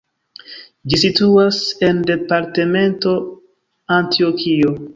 Ĝi situas en departemento Antjokio.